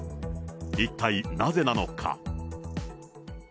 一体なぜなのか。